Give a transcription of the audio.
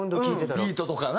ビートとかな。